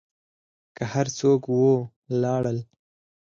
که هر څوک و لاړل.